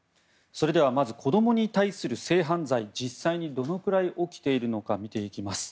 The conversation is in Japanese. それでは、まず子どもに対する性犯罪実際にどのくらい起きているのか見ていきます。